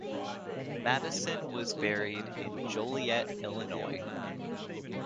Matteson was buried in Joliet, Illinois.